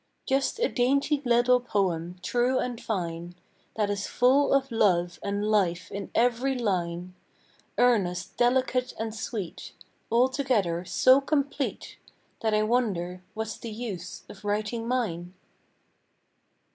Just a dainty little poem, true and fine, That is full of love and life in every line, Earnest, delicate, and sweet, Altogether so complete That I wonder what's the use of writing mine.